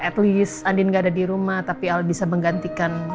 at least andin gak ada dirumah tapi al bisa menggantikan